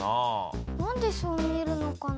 何でそう見えるのかな？